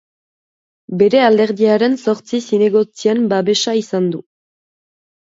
Bere alderdiaren zortzi zinegotzien babesa izan du.